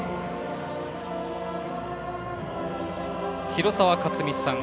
広澤克実さん。